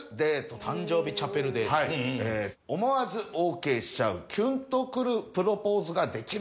「思わずＯＫしちゃうキュンとくるプロポーズができるか」と。